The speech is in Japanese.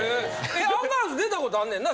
アンガールズ出たことあんねんな？